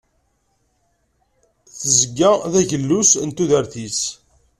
Tezga d agellus n tudert-is.